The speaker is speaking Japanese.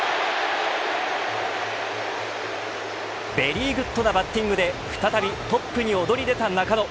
ベリーグッドなバッティングで再びトップに躍り出た中野。